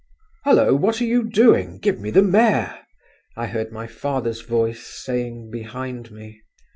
"Hullo! what are you doing? Give me the mare!" I heard my father's voice saying behind me.